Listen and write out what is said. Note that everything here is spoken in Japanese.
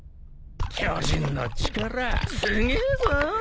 巨人の力すげえぞ。